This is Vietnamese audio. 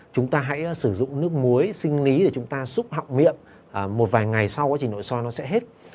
chúng ta hãy sử dụng nước muối sinh lý để chúng ta xúc họng miệng một vài ngày sau quá trình nội soi nó sẽ hết